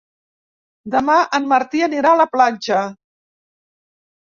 Demà en Martí anirà a la platja.